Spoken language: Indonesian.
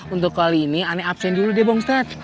untuk kali ini aneh absen dulu deh bang ustadz